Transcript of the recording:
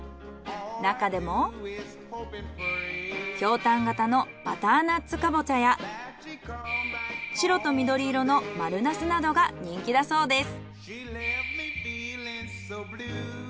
なかでもひょうたん型のバターナッツカボチャや白と緑色の丸ナスなどが人気だそうです。